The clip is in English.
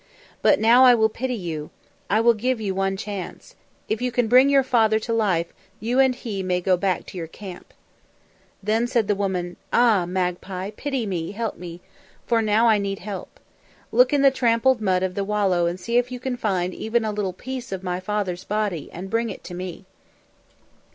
But now I will pity you, I will give you one chance. If you can bring your father to life, you and he may go back to your camp." Then said the woman, "Ah, magpie, pity me, help me; for now I need help. Look in the trampled mud of the wallow and see if you can find even a little piece of my father's body and bring it to me."